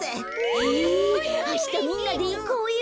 えあしたみんなでいこうよ！